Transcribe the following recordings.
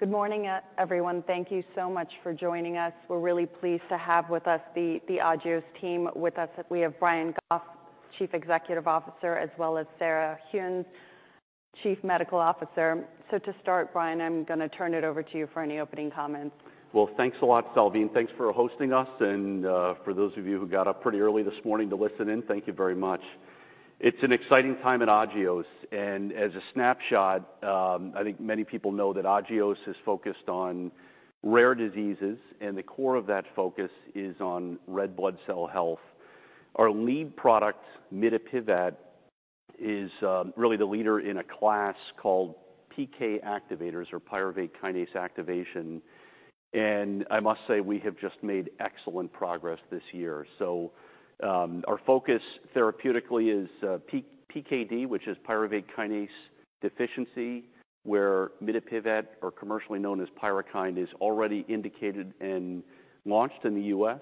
Good morning, everyone. Thank you so much for joining us. We're really pleased to have with us the Agios team. With us, we have Brian Goff, Chief Executive Officer, as well as Sarah Gheuens, Chief Medical Officer. So to start, Brian, I'm gonna turn it over to you for any opening comments. Well, thanks a lot, Salveen. Thanks for hosting us, and for those of you who got up pretty early this morning to listen in, thank you very much. It's an exciting time at Agios, and as a snapshot, I think many people know that Agios is focused on rare diseases, and the core of that focus is on red blood cell health. Our lead product, mitapivat, is really the leader in a class called PK activators or pyruvate kinase activation. And I must say, we have just made excellent progress this year. So, our focus therapeutically is PKD, which is pyruvate kinase deficiency, where mitapivat, or commercially known as PYRUKYND, is already indicated and launched in the U.S.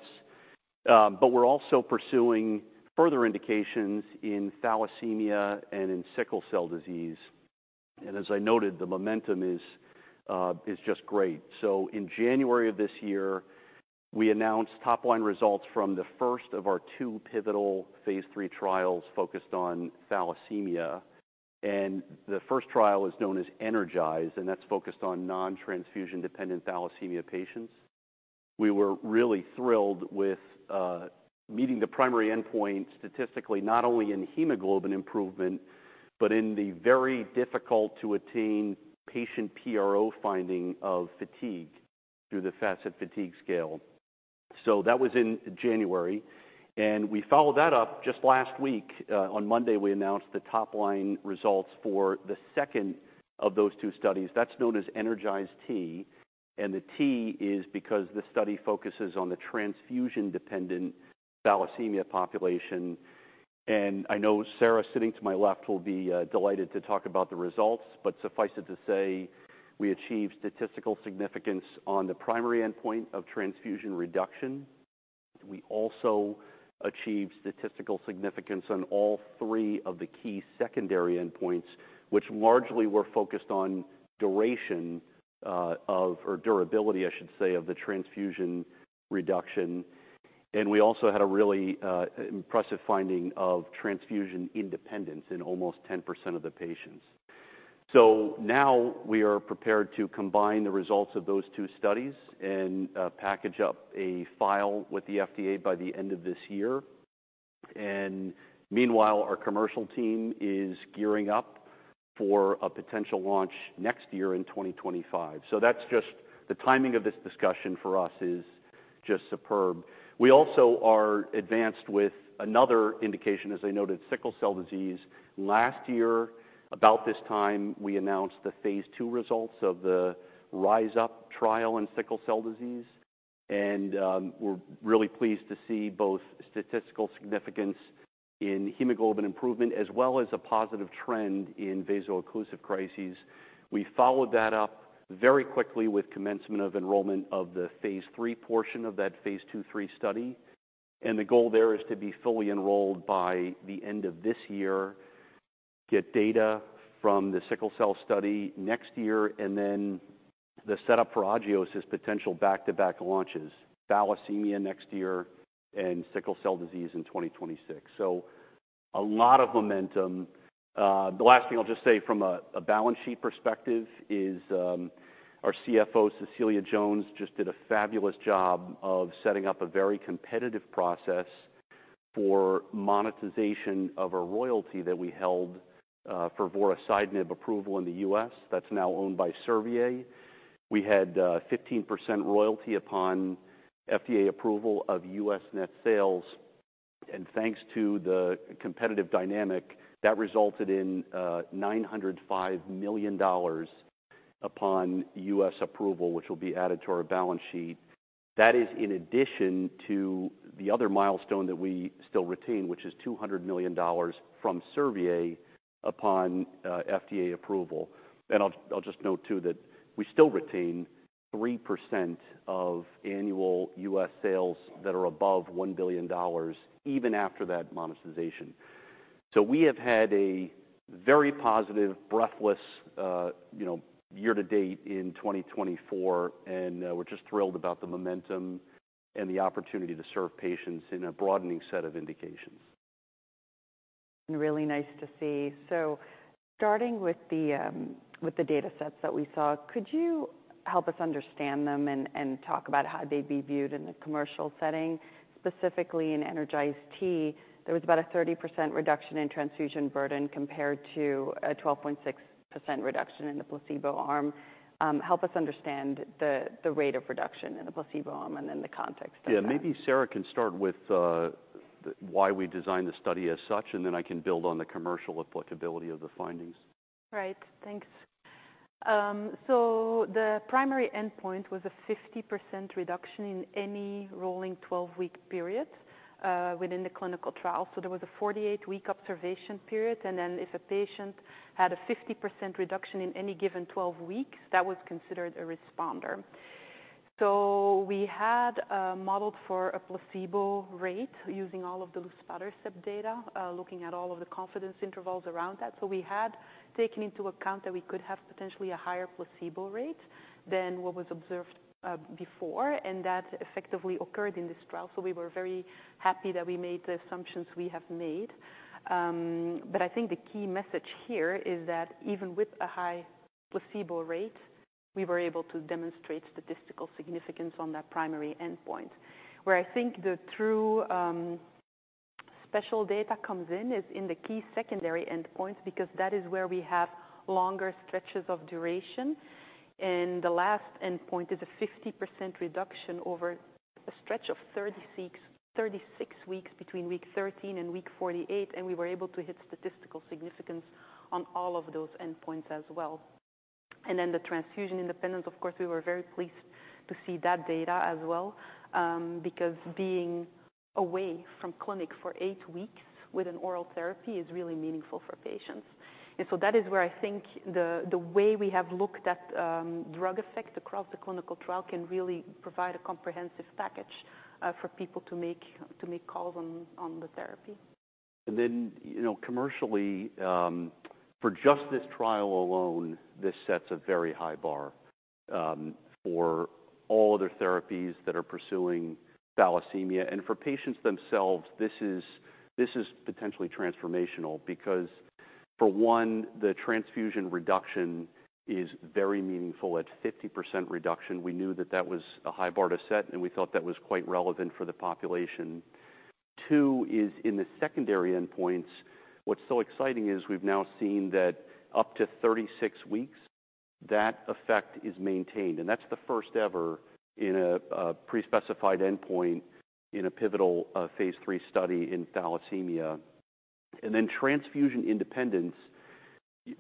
But we're also pursuing further indications in thalassemia and in sickle cell disease. And as I noted, the momentum is just great. In January of this year, we announced top-line results from the first of our two pivotal Phase III trials focused on thalassemia. The first trial is known as ENERGIZE, and that's focused on non-transfusion-dependent thalassemia patients. We were really thrilled with meeting the primary endpoint statistically, not only in hemoglobin improvement, but in the very difficult-to-attain patient PRO finding of fatigue through the FACIT Fatigue Scale. That was in January, and we followed that up just last week. On Monday, we announced the top-line results for the second of those two studies. That's known as ENERGIZE-T, and the T is because the study focuses on the transfusion-dependent thalassemia population. I know Sarah, sitting to my left, will be delighted to talk about the results, but suffice it to say, we achieved statistical significance on the primary endpoint of transfusion reduction. We also achieved statistical significance on all three of the key secondary endpoints, which largely were focused on duration, of or durability, I should say, of the transfusion reduction. And we also had a really, impressive finding of transfusion independence in almost 10% of the patients. So now we are prepared to combine the results of those two studies and, package up a file with the FDA by the end of this year. And meanwhile, our commercial team is gearing up for a potential launch next year in 2025. So that's just the timing of this discussion for us is just superb. We also are advanced with another indication, as I noted, sickle cell disease. Last year, about this time, we announced the Phase II results of the RISE-UP trial in sickle cell disease, and we're really pleased to see both statistical significance in hemoglobin improvement, as well as a positive trend in vaso-occlusive crises. We followed that up very quickly with commencement of enrollment of the Phase III portion of that Phase II, III study, and the goal there is to be fully enrolled by the end of this year, get data from the sickle cell study next year, and then the setup for Agios' potential back-to-back launches, thalassemia next year and sickle cell disease in 2026. So a lot of momentum. The last thing I'll just say from a balance sheet perspective is, our CFO, Cecilia Jones, just did a fabulous job of setting up a very competitive process for monetization of a royalty that we held for vorasidenib approval in the US that's now owned by Servier. We had 15% royalty upon FDA approval of US net sales, and thanks to the competitive dynamic, that resulted in $905 million upon US approval, which will be added to our balance sheet. That is in addition to the other milestone that we still retain, which is $200 million from Servier upon FDA approval. I'll just note, too, that we still retain 3% of annual US sales that are above $1 billion, even after that monetization. We have had a very positive, breathless, you know, year to date in 2024, and we're just thrilled about the momentum and the opportunity to serve patients in a broadening set of indications. Really nice to see. So starting with the data sets that we saw, could you help us understand them and talk about how they'd be viewed in the commercial setting? Specifically, in ENERGIZE-T, there was about a 30% reduction in transfusion burden compared to a 12.6% reduction in the placebo arm. Help us understand the rate of reduction in the placebo arm and in the context of that. Yeah, maybe Sarah can start with why we designed the study as such, and then I can build on the commercial applicability of the findings. Right. Thanks. So the primary endpoint was a 50% reduction in any rolling 12-week period within the clinical trial. So there was a 48-week observation period, and then if a patient had a 50% reduction in any given 12 weeks, that was considered a responder. So we had modeled for a placebo rate using all of those scatter plot data, looking at all of the confidence intervals around that. So we had taken into account that we could have potentially a higher placebo rate than what was observed before, and that effectively occurred in this trial. So we were very happy that we made the assumptions we have made. But I think the key message here is that even with a high placebo rate, we were able to demonstrate statistical significance on that primary endpoint. Where I think the true special data comes in is in the key secondary endpoints, because that is where we have longer stretches of duration. The last endpoint is a 50% reduction over a stretch of 36 weeks, between week 13 and week 48, and we were able to hit statistical significance on all of those endpoints as well. Then the transfusion independence, of course, we were very pleased to see that data as well, because being away from clinic for 8 weeks with an oral therapy is really meaningful for patients. So that is where I think the way we have looked at drug effect across the clinical trial can really provide a comprehensive package for people to make calls on the therapy. And then, you know, commercially, for just this trial alone, this sets a very high bar, for all other therapies that are pursuing thalassemia. And for patients themselves, this is, this is potentially transformational because for one, the transfusion reduction is very meaningful. At 50% reduction, we knew that that was a high bar to set, and we thought that was quite relevant for the population. Two, is in the secondary endpoints, what's so exciting is we've now seen that up to 36 weeks, that effect is maintained, and that's the first ever in a, a pre-specified endpoint in a pivotal, Phase III study in thalassemia. And then transfusion independence,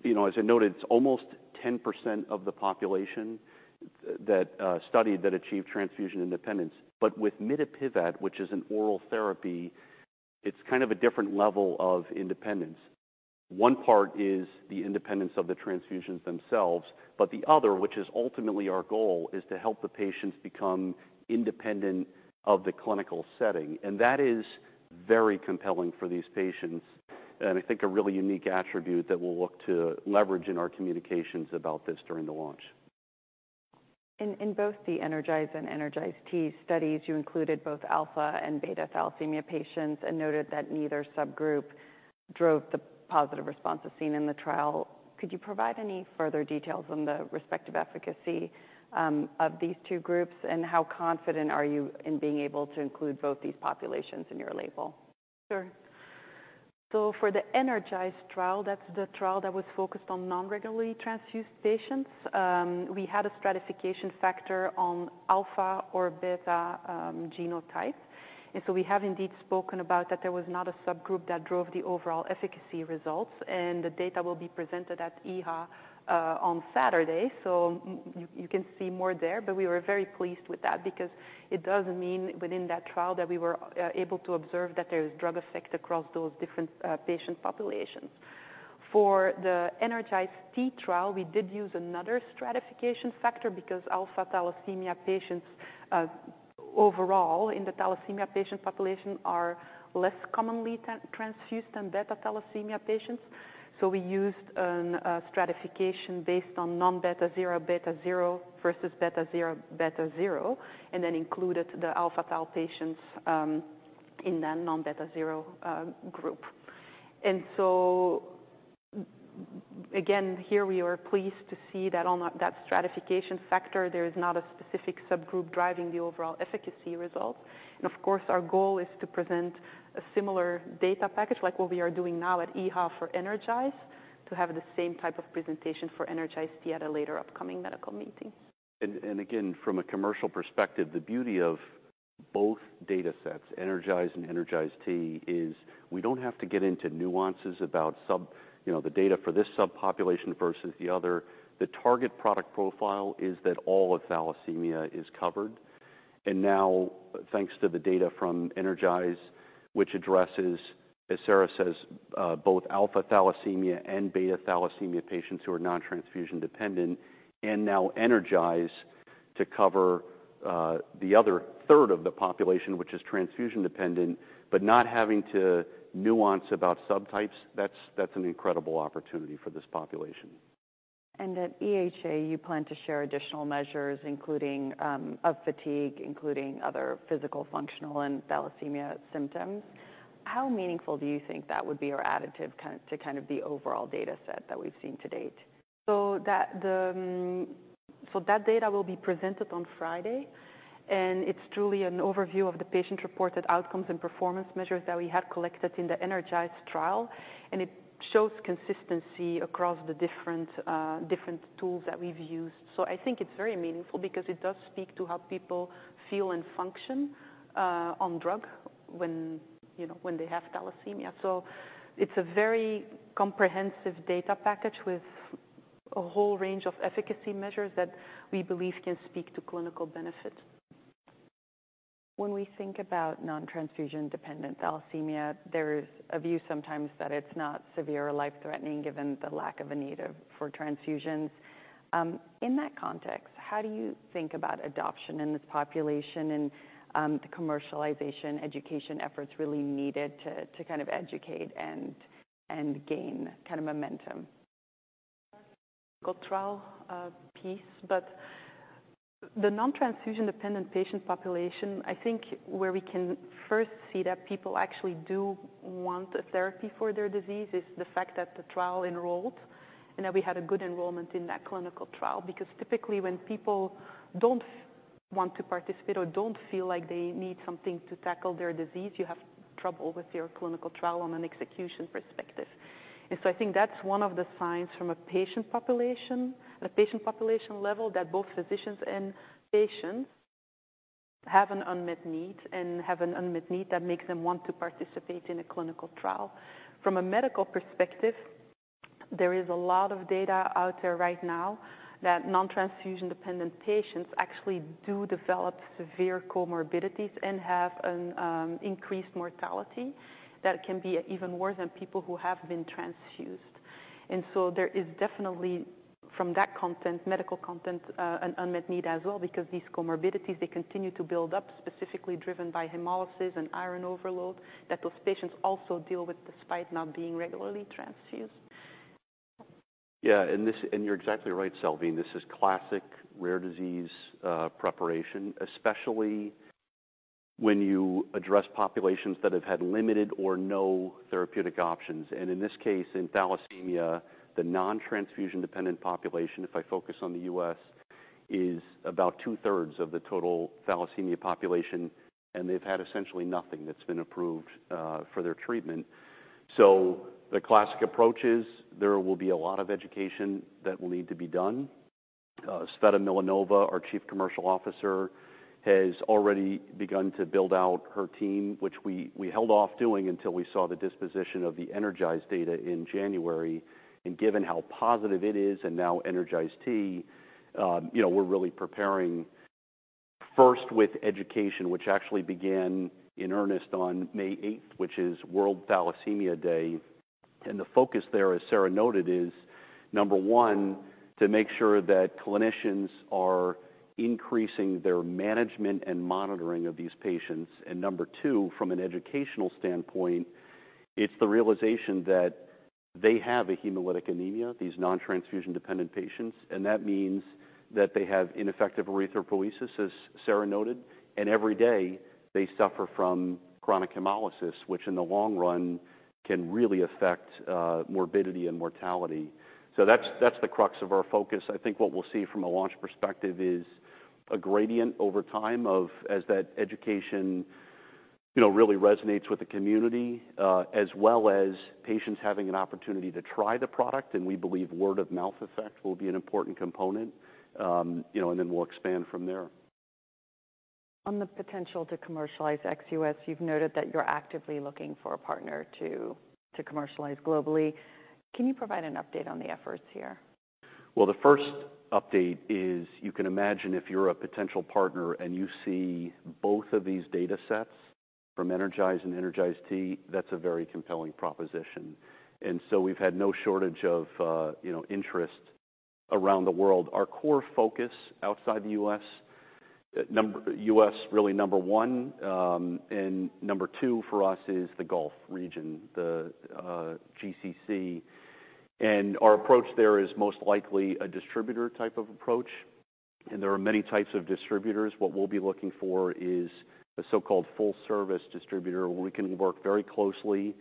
you know, as I noted, it's almost 10% of the population that studied that achieved transfusion independence. But with mitapivat, which is an oral therapy, it's kind of a different level of independence. One part is the independence of the transfusions themselves, but the other, which is ultimately our goal, is to help the patients become independent of the clinical setting, and that is very compelling for these patients, and I think a really unique attribute that we'll look to leverage in our communications about this during the launch. In both the ENERGIZE and ENERGIZE-T studies, you included both alpha and beta thalassemia patients and noted that neither subgroup drove the positive responses seen in the trial. Could you provide any further details on the respective efficacy of these two groups? And how confident are you in being able to include both these populations in your label? Sure. So for the ENERGIZE trial, that's the trial that was focused on non-regularly transfused patients. We had a stratification factor on alpha or beta genotype. And so we have indeed spoken about that there was not a subgroup that drove the overall efficacy results, and the data will be presented at EHA on Saturday. So you can see more there. But we were very pleased with that because it does mean within that trial, that we were able to observe that there is drug effect across those different patient populations. For the ENERGIZE-T trial, we did use another stratification factor because alpha thalassemia patients overall, in the thalassemia patient population, are less commonly transfused than beta thalassemia patients. So we used a stratification based on non-beta zero, beta zero versus beta zero, beta zero, and then included the alpha-thal patients in the non-beta zero group. And so again, here we are pleased to see that on that stratification factor, there is not a specific subgroup driving the overall efficacy results. And of course, our goal is to present a similar data package like what we are doing now at EHA for ENERGIZE, to have the same type of presentation for ENERGIZE-T at a later upcoming medical meeting. And again, from a commercial perspective, the beauty of both data sets, ENERGIZE and ENERGIZE-T, is we don't have to get into nuances about. You know, the data for this subpopulation versus the other. The target product profile is that all of thalassemia is covered. And now, thanks to the data from ENERGIZE, which addresses, as Sarah says, both alpha thalassemia and beta thalassemia patients who are non-transfusion dependent, and now ENERGIZE to cover, the other third of the population, which is transfusion dependent, but not having to nuance about subtypes, that's, that's an incredible opportunity for this population. At EHA, you plan to share additional measures, including, of fatigue, including other physical, functional, and thalassemia symptoms. How meaningful do you think that would be, or additive kind, to kind of the overall data set that we've seen to date? So that data will be presented on Friday, and it's truly an overview of the patient-reported outcomes and performance measures that we have collected in the ENERGIZE trial, and it shows consistency across the different, different tools that we've used. So I think it's very meaningful because it does speak to how people feel and function, on drug when, you know, when they have thalassemia. So it's a very comprehensive data package with a whole range of efficacy measures that we believe can speak to clinical benefit. ...When we think about non-transfusion-dependent thalassemia, there's a view sometimes that it's not severe or life-threatening, given the lack of a need for transfusions. In that context, how do you think about adoption in this population and the commercialization education efforts really needed to kind of educate and gain kind of momentum? Trial piece, but the non-transfusion dependent patient population, I think where we can first see that people actually do want a therapy for their disease, is the fact that the trial enrolled and that we had a good enrollment in that clinical trial. Because typically, when people don't want to participate or don't feel like they need something to tackle their disease, you have trouble with your clinical trial on an execution perspective. And so I think that's one of the signs from a patient population, a patient population level, that both physicians and patients have an unmet need, and have an unmet need that makes them want to participate in a clinical trial. From a medical perspective, there is a lot of data out there right now that non-transfusion-dependent patients actually do develop severe comorbidities and have an increased mortality that can be even worse than people who have been transfused. And so there is definitely, from that content, medical content, an unmet need as well, because these comorbidities, they continue to build up, specifically driven by hemolysis and iron overload, that those patients also deal with, despite not being regularly transfused. Yeah, and this-- And you're exactly right, Salveen. This is classic rare disease preparation, especially when you address populations that have had limited or no therapeutic options. And in this case, in thalassemia, the non-transfusion-dependent population, if I focus on the U.S., is about two-thirds of the total thalassemia population, and they've had essentially nothing that's been approved for their treatment. So the classic approach is there will be a lot of education that will need to be done. Tsveta Milanova, our Chief Commercial Officer, has already begun to build out her team, which we, we held off doing until we saw the disposition of the ENERGIZE data in January. And given how positive it is and now ENERGIZE-T, you know, we're really preparing first with education, which actually began in earnest on May eighth, which is World Thalassemia Day. And the focus there, as Sarah noted, is, number one, to make sure that clinicians are increasing their management and monitoring of these patients. And number two, from an educational standpoint, it's the realization that they have a hemolytic anemia, these non-transfusion-dependent patients, and that means that they have ineffective erythropoiesis, as Sarah noted, and every day they suffer from chronic hemolysis, which in the long run, can really affect morbidity and mortality. So that's, that's the crux of our focus. I think what we'll see from a launch perspective is a gradient over time of, as that education, you know, really resonates with the community, as well as patients having an opportunity to try the product. And we believe word of mouth effect will be an important component, you know, and then we'll expand from there. On the potential to commercialize ex-US, you've noted that you're actively looking for a partner to commercialize globally. Can you provide an update on the efforts here? Well, the first update is you can imagine if you're a potential partner and you see both of these data sets from ENERGIZE and ENERGIZE-T, that's a very compelling proposition. And so we've had no shortage of, you know, interest around the world. Our core focus outside the US. Number one, US, really number one, and number two for us is the Gulf region, the GCC. And our approach there is most likely a distributor type of approach, and there are many types of distributors. What we'll be looking for is a so-called full service distributor, where we can work very closely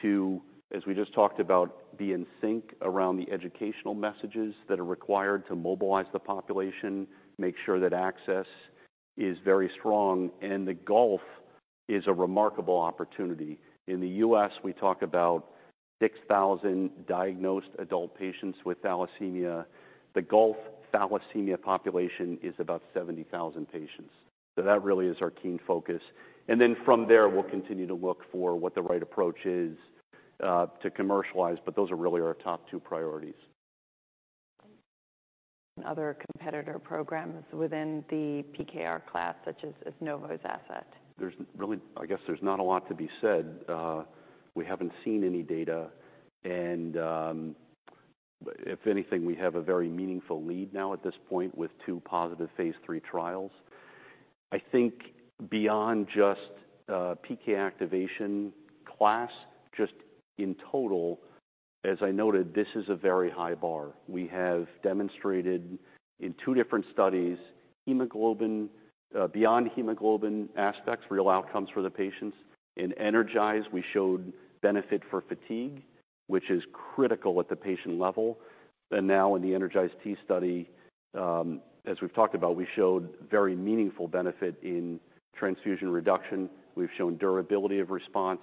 to, as we just talked about, be in sync around the educational messages that are required to mobilize the population, make sure that access is very strong. And the Gulf is a remarkable opportunity. In the U.S., we talk about 6,000 diagnosed adult patients with thalassemia. The Gulf thalassemia population is about 70,000 patients. So that really is our key focus. And then from there, we'll continue to look for what the right approach is, to commercialize, but those are really our top two priorities. Other competitor programs within the PKR class, such as Novo's asset? There's really... I guess there's not a lot to be said. We haven't seen any data, and if anything, we have a very meaningful lead now at this point, with two positive Phase III trials. I think beyond just PK activation class, just in total, as I noted, this is a very high bar. We have demonstrated in two different studies, hemoglobin, beyond hemoglobin aspects, real outcomes for the patients. In ENERGIZE, we showed benefit for fatigue, which is critical at the patient level. And now in the ENERGIZE-T study, as we've talked about, we showed very meaningful benefit in transfusion reduction. We've shown durability of response.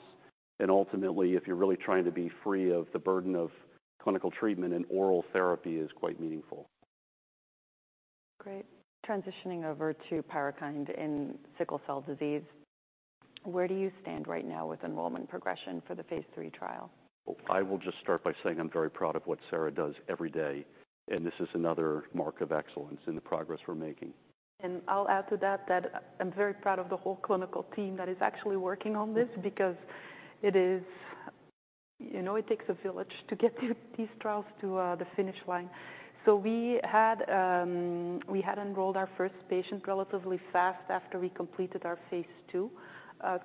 And ultimately, if you're really trying to be free of the burden of clinical treatment, an oral therapy is quite meaningful. Great! Transitioning over to PYRUKYND in sickle cell disease... Where do you stand right now with enrollment progression for the Phase III trial? I will just start by saying I'm very proud of what Sarah does every day, and this is another mark of excellence in the progress we're making. I'll add to that, that I'm very proud of the whole clinical team that is actually working on this, because it is, you know, it takes a village to get these trials to the finish line. So we had enrolled our first patient relatively fast after we completed our Phase II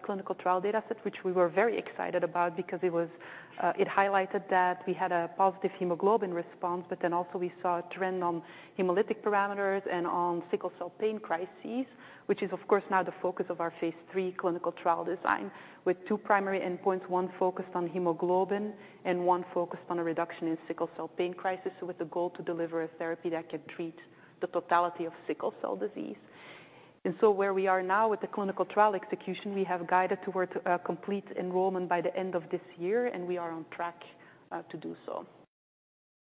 clinical trial dataset, which we were very excited about because it was, it highlighted that we had a positive hemoglobin response, but then also we saw a trend on hemolytic parameters and on sickle cell pain crises, which is, of course, now the focus of our Phase III clinical trial design, with two primary endpoints, one focused on hemoglobin and one focused on a reduction in sickle cell pain crisis, with a goal to deliver a therapy that can treat the totality of sickle cell disease. So where we are now with the clinical trial execution, we have guided towards complete enrollment by the end of this year, and we are on track to do so.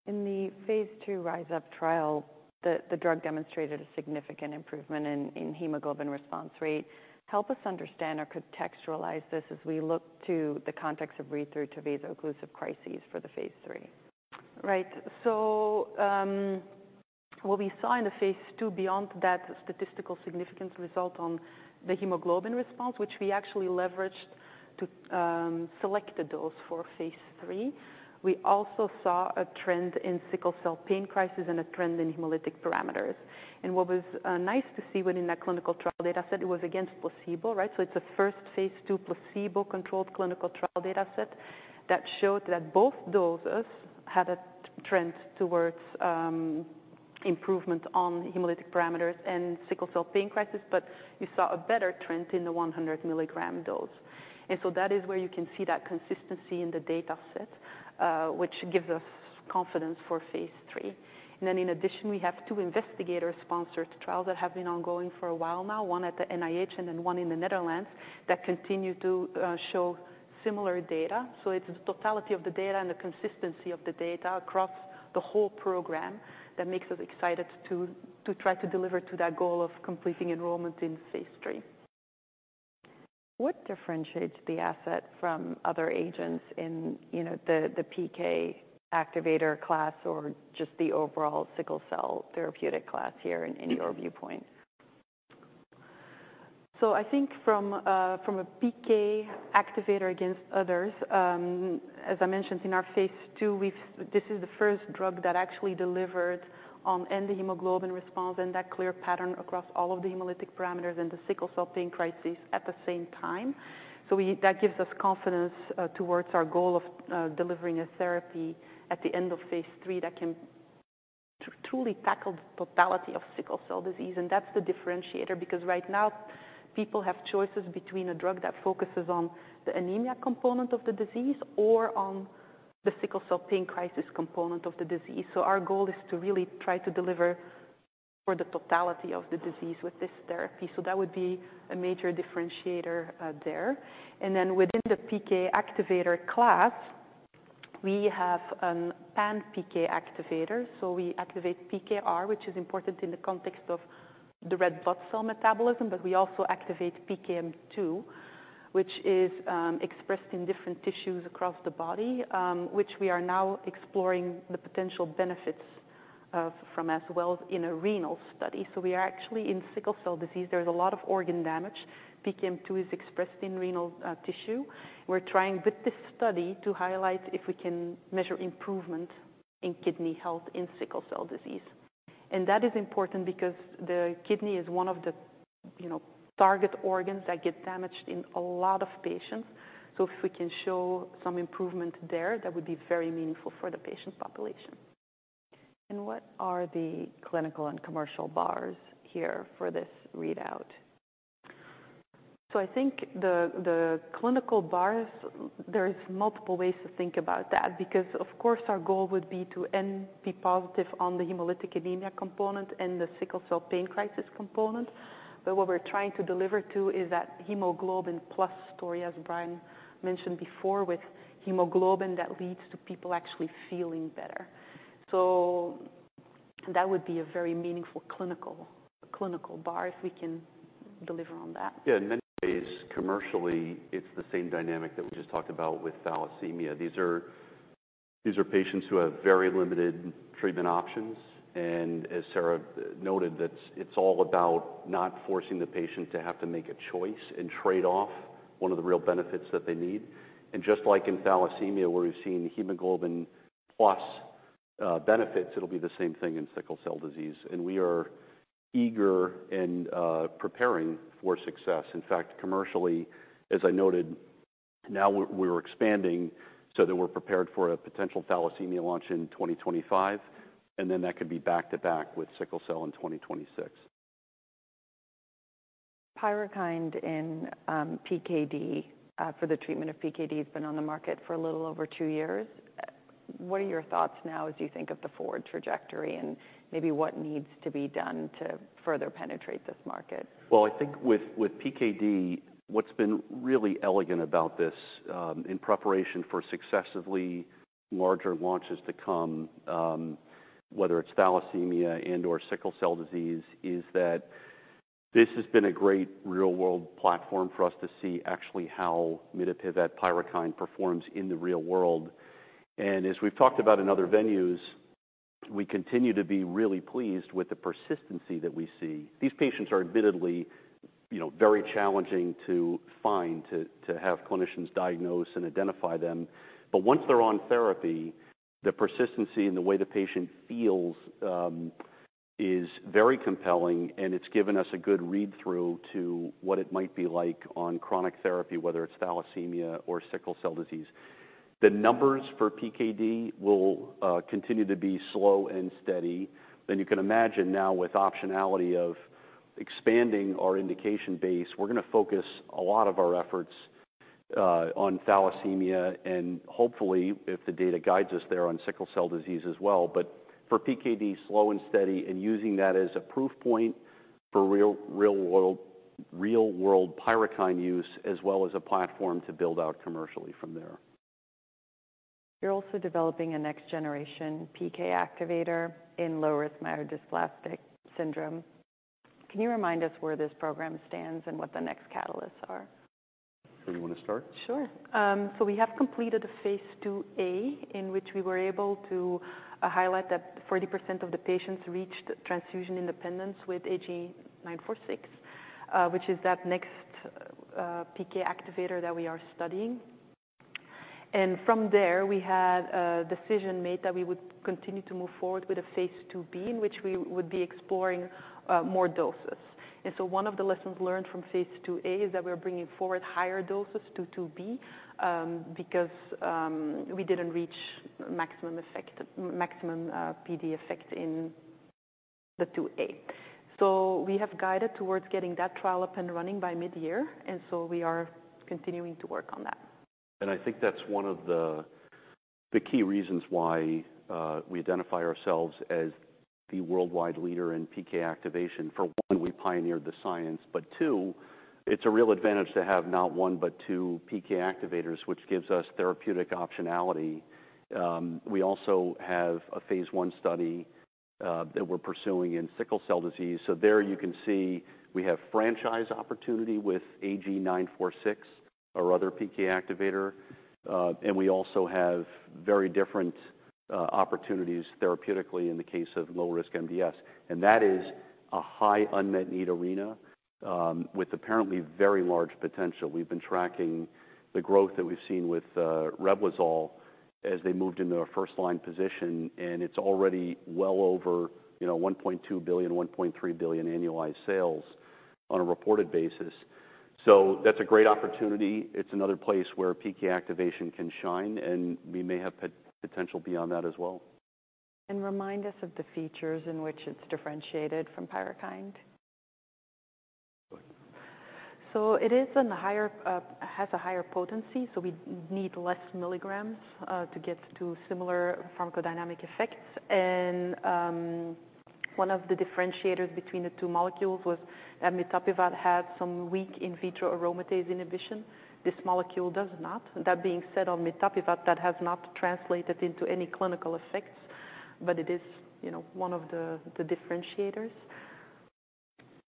In the Phase II RISE UP trial, the drug demonstrated a significant improvement in hemoglobin response rate. Help us understand or contextualize this as we look to the context of readthrough to vaso-occlusive crises for the Phase III. Right. So, what we saw in the Phase II beyond that statistical significance result on the hemoglobin response, which we actually leveraged to select the dose for Phase III. We also saw a trend in sickle cell pain crisis and a trend in hemolytic parameters. And what was nice to see within that clinical trial data set, it was against placebo, right? So it's a first Phase II placebo-controlled clinical trial data set that showed that both doses had a trend towards improvement on hemolytic parameters and sickle cell pain crisis, but we saw a better trend in the 100 milligram dose. And so that is where you can see that consistency in the data set, which gives us confidence for Phase III. In addition, we have 2 investigator-sponsored trials that have been ongoing for a while now, 1 at the NIH and then 1 in the Netherlands, that continue to show similar data. So it's the totality of the data and the consistency of the data across the whole program that makes us excited to try to deliver to that goal of completing enrollment in Phase III. What differentiates the asset from other agents in, you know, the PK activator class or just the overall sickle cell therapeutic class here in your viewpoint? So I think from from a PK activator against others, as I mentioned in our Phase II, we've this is the first drug that actually delivered on end hemoglobin response and that clear pattern across all of the hemolytic parameters and the sickle cell pain crises at the same time. So that gives us confidence towards our goal of delivering a therapy at the end of Phase III that can truly tackle the totality of sickle cell disease. And that's the differentiator, because right now, people have choices between a drug that focuses on the anemia component of the disease or on the sickle cell pain crisis component of the disease. So our goal is to really try to deliver for the totality of the disease with this therapy. So that would be a major differentiator there. And then within the PK activator class, we have a pan PK activator. So we activate PKR, which is important in the context of the red blood cell metabolism, but we also activate PKM2, which is expressed in different tissues across the body, which we are now exploring the potential benefits of... from as well in a renal study. So we are actually, in sickle cell disease, there's a lot of organ damage. PKM2 is expressed in renal tissue. We're trying with this study to highlight if we can measure improvement in kidney health in sickle cell disease. And that is important because the kidney is one of the, you know, target organs that get damaged in a lot of patients. So if we can show some improvement there, that would be very meaningful for the patient population. What are the clinical and commercial bars here for this readout? So I think the clinical bars, there are multiple ways to think about that, because, of course, our goal would be to and be positive on the hemolytic anemia component and the sickle cell pain crisis component. But what we're trying to deliver to is that hemoglobin plus story, as Brian mentioned before, with hemoglobin, that leads to people actually feeling better. So that would be a very meaningful clinical bar, if we can deliver on that. Yeah, in many ways, commercially, it's the same dynamic that we just talked about with thalassemia. These are patients who have very limited treatment options, and as Sarah noted, that's it's all about not forcing the patient to have to make a choice and trade off one of the real benefits that they need. And just like in thalassemia, where we've seen hemoglobin plus, benefits, it'll be the same thing in sickle cell disease, and we are eager and, preparing for success. In fact, commercially, as I noted, now we're expanding so that we're prepared for a potential thalassemia launch in 2025, and then that could be back-to-back with sickle cell in 2026. PYRUKYND in PKD for the treatment of PKD has been on the market for a little over two years. What are your thoughts now as you think of the forward trajectory and maybe what needs to be done to further penetrate this market? Well, I think with, with PKD, what's been really elegant about this, in preparation for successively larger launches to come, whether it's thalassemia and/or sickle cell disease, is that this has been a great real-world platform for us to see actually how mitapivat PYRUKYND performs in the real world. And as we've talked about in other venues, we continue to be really pleased with the persistency that we see. These patients are admittedly, you know, very challenging to find, to, to have clinicians diagnose and identify them. But once they're on therapy, the persistency in the way the patient feels, is very compelling, and it's given us a good read-through to what it might be like on chronic therapy, whether it's thalassemia or sickle cell disease. The numbers for PKD will continue to be slow and steady. You can imagine now with optionality of expanding our indication base, we're gonna focus a lot of our efforts on thalassemia, and hopefully, if the data guides us there, on sickle cell disease as well. But for PKD, slow and steady, and using that as a proof point for real, real-world, real-world PYRUKYND use, as well as a platform to build out commercially from there. You're also developing a next-generation PK activator in low-risk myelodysplastic syndrome. Can you remind us where this program stands and what the next catalysts are? Do you wanna start? Sure. So we have completed a Phase IIa, in which we were able to highlight that 40% of the patients reached transfusion independence with AG-946, which is that next PK activator that we are studying. And from there, we had a decision made that we would continue to move forward with a Phase IIb, in which we would be exploring more doses. And so one of the lessons learned from Phase IIa is that we're bringing forward higher doses to IIb, because we didn't reach maximum PD effect in the IIa. So we have guided towards getting that trial up and running by mid-year, and so we are continuing to work on that. I think that's one of the key reasons why we identify ourselves as the worldwide leader in PK activation. For one, we pioneered the science, but two, it's a real advantage to have not one, but two PK activators, which gives us therapeutic optionality. We also have a Phase I study that we're pursuing in sickle cell disease. So there you can see we have franchise opportunity with AG-946, our other PK activator, and we also have very different opportunities therapeutically in the case of low-risk MDS. And that is a high unmet need arena with apparently very large potential. We've been tracking the growth that we've seen with Reblozyl as they moved into a first-line position, and it's already well over, you know, $1.2 billion, $1.3 billion annualized sales on a reported basis. That's a great opportunity. It's another place where PK activation can shine, and we may have potential beyond that as well. Remind us of the features in which it's differentiated from PYRUKYND? Go ahead. So it is a higher, has a higher potency, so we need less milligrams to get to similar pharmacodynamic effects. And one of the differentiators between the two molecules was that mitapivat had some weak in vitro aromatase inhibition. This molecule does not. That being said, on mitapivat, that has not translated into any clinical effects, but it is, you know, one of the differentiators.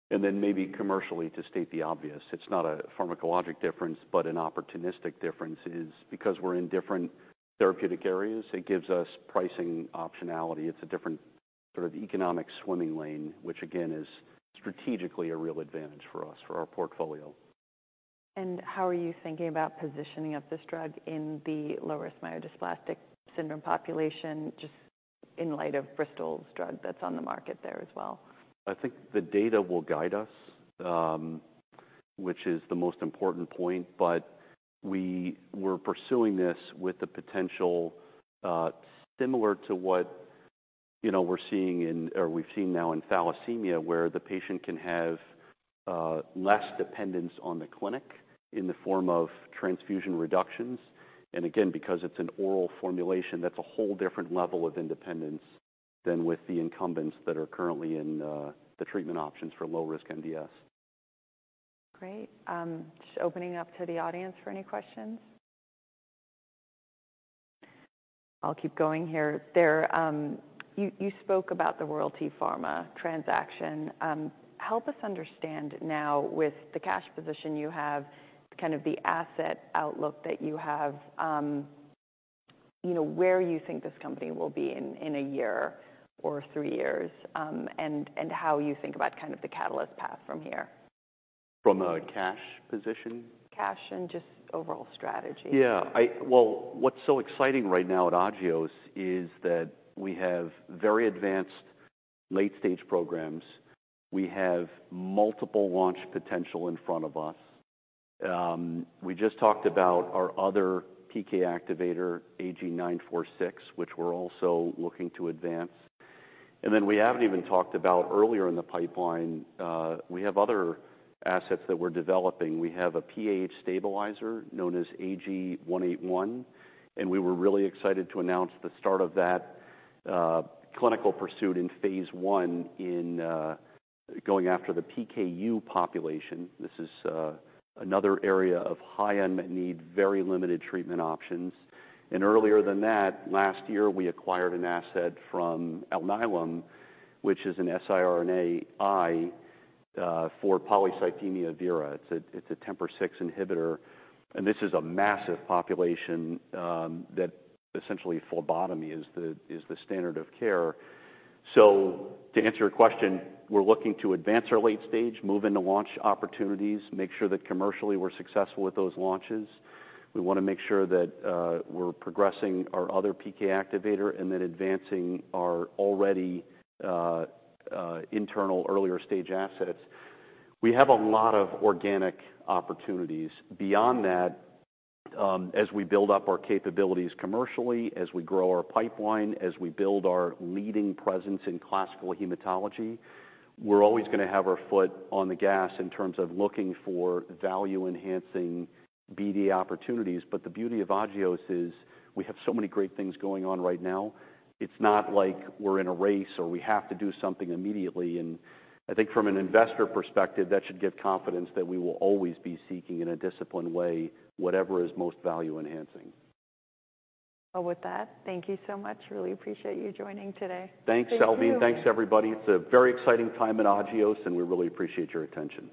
Then maybe commercially, to state the obvious, it's not a pharmacologic difference, but an opportunistic difference, is because we're in different therapeutic areas, it gives us pricing optionality. It's a different sort of economic swimming lane, which again, is strategically a real advantage for us, for our portfolio. How are you thinking about positioning of this drug in the low-risk myelodysplastic syndrome population, just in light of Bristol's drug that's on the market there as well? I think the data will guide us, which is the most important point. But we were pursuing this with the potential, similar to what, you know, we're seeing in or we've seen now in thalassemia, where the patient can have, less dependence on the clinic in the form of transfusion reductions. And again, because it's an oral formulation, that's a whole different level of independence than with the incumbents that are currently in, the treatment options for low-risk MDS. Great. Just opening up to the audience for any questions. I'll keep going here. You spoke about the Royalty Pharma transaction. Help us understand now with the cash position you have, kind of the asset outlook that you have, you know, where you think this company will be in a year or three years, and how you think about kind of the catalyst path from here? From a cash position? Cash and just overall strategy. Yeah, well, what's so exciting right now at Agios is that we have very advanced late-stage programs. We have multiple launch potential in front of us. We just talked about our other PK activator, AG-946, which we're also looking to advance. And then we haven't even talked about earlier in the pipeline, we have other assets that we're developing. We have a PAH stabilizer known as AG-181, and we were really excited to announce the start of that, clinical pursuit in Phase I in, going after the PKU population. This is, another area of high unmet need, very limited treatment options. And earlier than that, last year, we acquired an asset from Alnylam, which is an siRNA asset for polycythemia vera. It's a TMPRSS6 inhibitor, and this is a massive population that essentially phlebotomy is the standard of care. So to answer your question, we're looking to advance our late stage, move into launch opportunities, make sure that commercially we're successful with those launches. We wanna make sure that we're progressing our other PK activator and then advancing our already internal earlier stage assets. We have a lot of organic opportunities. Beyond that, as we build up our capabilities commercially, as we grow our pipeline, as we build our leading presence in classical hematology, we're always gonna have our foot on the gas in terms of looking for value-enhancing BD opportunities. But the beauty of Agios is we have so many great things going on right now. It's not like we're in a race, or we have to do something immediately. I think from an investor perspective, that should give confidence that we will always be seeking, in a disciplined way, whatever is most value enhancing. Well, with that, thank you so much. Really appreciate you joining today. Thanks, Salveen. Thank you. And thanks, everybody. It's a very exciting time at Agios, and we really appreciate your attention.